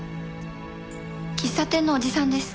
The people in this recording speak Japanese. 喫茶店のおじさんです。